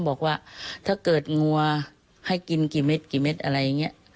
บอกว่าถ้าเกิดงัวให้กินกี่เม็ดกี่เม็ดอะไรอย่างนี้